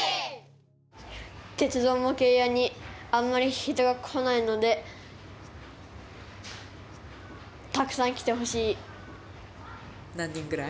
鉄道模型屋にあんまり人が来ないのでたくさん来てほしい。何人ぐらい？